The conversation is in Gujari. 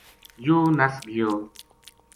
یوہ نَس گیو